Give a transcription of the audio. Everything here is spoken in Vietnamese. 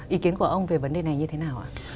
ý kiến của ông về vấn đề này như thế nào ạ